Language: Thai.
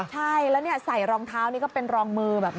ใช่แล้วใส่รองเท้านี่ก็เป็นรองมือแบบ